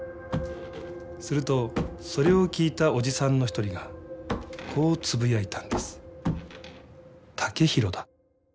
するとそれを聞いたおじさんの一人がこうつぶやいたんです。